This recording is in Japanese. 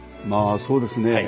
まあそうですね